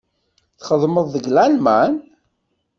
Txedmeḍ deg Lalman?